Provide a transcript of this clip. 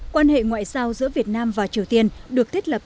quan hệ ngoại giao giữa việt nam và triều tiên được thiết lập